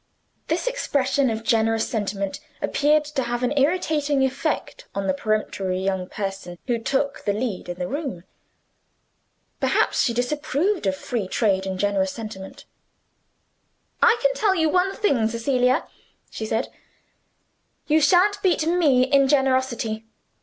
This expression of generous sentiment appeared to have an irritating effect on the peremptory young person who took the lead in the room. Perhaps she disapproved of free trade in generous sentiment. "I can tell you one thing, Cecilia," she said; "you shan't beat ME in generosity.